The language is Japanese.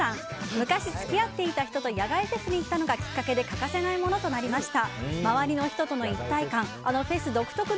昔付き合っていた人と野外フェスに行ったのがきっかけで欠かせないものとなりました。